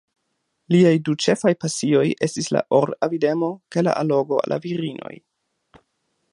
Liaj du ĉefaj pasioj estis la or-avidemo kaj la allogo al la virinoj.